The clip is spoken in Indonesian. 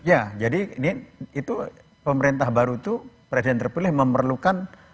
ya jadi itu pemerintah baru itu presiden terpilih memerlukan